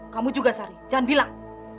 kamu juga sari jangan bilang